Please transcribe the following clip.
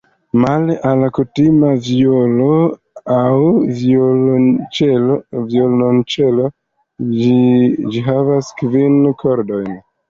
Male al kutima vjolo aŭ violonĉelo ĝi havas kvin kordojn.